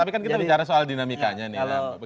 tapi kan kita bicara soal dinamikanya nih